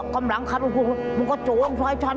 กำลังขับทุกมันก็จนชอยฉัน